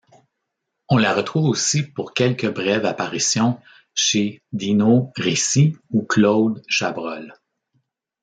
On la retrouve aussi pour quelques brèves apparitions chez Dino Risi ou Claude Chabrol.